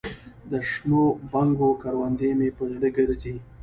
دشنو بنګو کروندې مې په زړه ګرځي